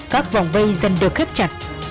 các vòng vây dần được khép chặt